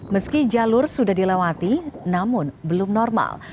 meski jalur sudah dilewati namun belum normal